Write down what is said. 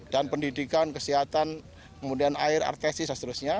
dan pendidikan kesehatan kemudian air artesi dan seterusnya